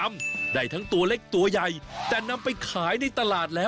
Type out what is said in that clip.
วันนี้พาลงใต้สุดไปดูวิธีของชาวปักใต้อาชีพชาวเล่น